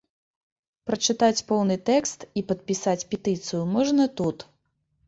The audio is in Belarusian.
Прачытаць поўны тэкст і падпісаць петыцыю можна тут.